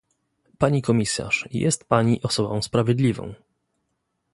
Pani komisarz, jest pani osobą sprawiedliwą